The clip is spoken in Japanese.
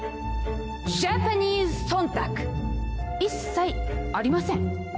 ジャパニーズ忖度一切ありません。